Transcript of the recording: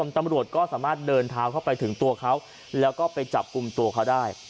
ตำรวจก็สามารถเดินเท้าเข้าไปถึงตัวเขาแล้วก็ไปจับกลุ่มตัวเขาได้